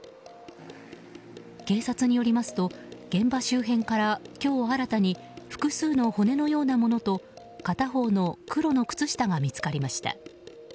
警察によりますと現場周辺から今日新たに複数の骨のようなものと片方の黒の靴下が見つかりました。